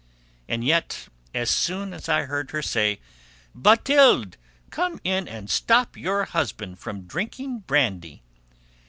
And yet, as soon as I heard her "Bathilde! Come in and stop your husband from drinking brandy!"